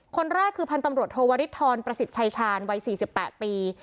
คนแรกคือพันธุ์ตำรวจโทวริทรประสิทธิ์ชายชาญวัย๔๘ปี